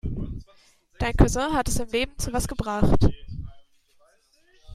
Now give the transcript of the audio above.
Dein Cousin hat es im Leben zu was gebracht.